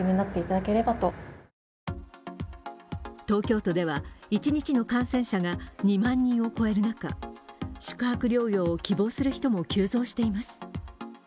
東京都では一日の感染者が２万人を超える中、宿泊療養を希望する人も急増しています。